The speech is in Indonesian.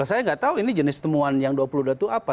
saya nggak tahu ini jenis temuan yang dua puluh dua itu apa